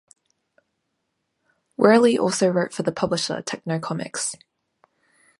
Worley also wrote for the publisher Tekno Comix.